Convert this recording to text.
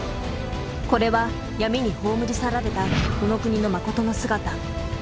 これは闇に葬り去られたこの国のまことの姿。